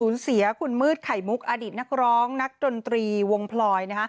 สูญเสียคุณมืดไข่มุกอดีตนักร้องนักดนตรีวงพลอย